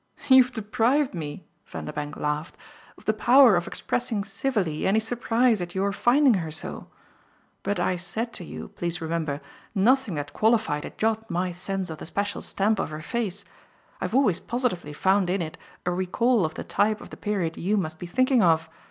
"You've deprived me," Vanderbank laughed, "of the power of expressing civilly any surprise at your finding her so. But I said to you, please remember, nothing that qualified a jot my sense of the special stamp of her face. I've always positively found in it a recall of the type of the period you must be thinking of.